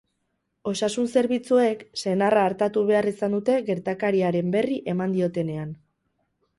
Osasun-zerbitzuek senarra artatu behar izan dute gertakariaren berri eman diotenean.